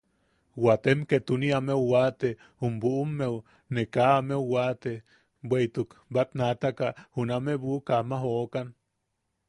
Waatem ketuni ameu waate jum buʼummeu ne kaa ameu waate, bweʼituk batnaataka junama buʼuka ama jookan.